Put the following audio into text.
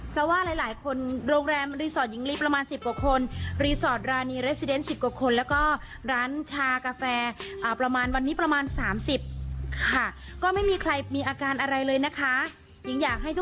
เป็นคลิปที่พี่หญิงลีได้มีการอัดมาเองนะฮะ